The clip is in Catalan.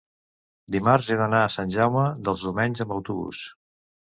dimarts he d'anar a Sant Jaume dels Domenys amb autobús.